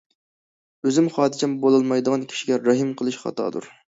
ئۆزى خاتىرجەم بولالمايدىغان كىشىگە رەھىم قىلىش خاتادۇر.